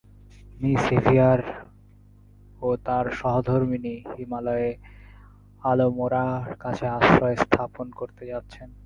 Me Sevier ও তাঁর সহধর্মিণী হিমালয়ে আলমোড়ার কাছে আশ্রয় স্থাপন করতে যাচ্ছেন।